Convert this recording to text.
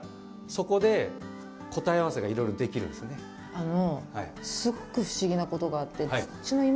あの。